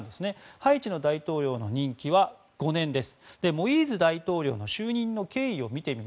ハイチの大統領の任期は５年です。